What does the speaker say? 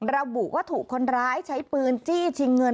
ระบุว่าถูกคนร้ายใช้ปืนจี้ชิงเงิน